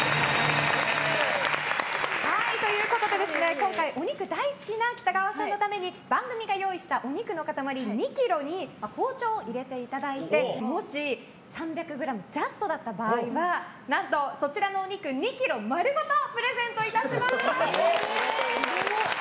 今回、お肉大好きな北川さんのために番組が用意したお肉の塊２ｋｇに包丁を入れていただいて、もし３００ｇジャストだった場合は何とそちらのお肉２ｋｇ丸ごとプレゼントいたします！